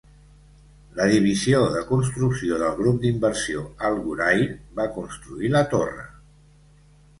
La divisió de construcció del grup d'inversió "Al Ghurair" va construir la torre.